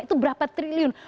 itu berapa triliun